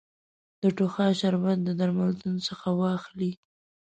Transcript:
د ټوخا شربت د درملتون څخه واخلی